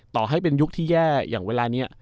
ต่อให้เป็นยุคที่แย่อย่างเวลานี้